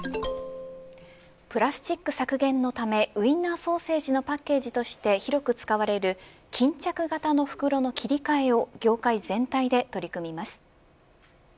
プラスチック削減のためウインナーソーセージのパッケージとして広く使われる巾着型の袋の切り替えを業界全体で取り組みます。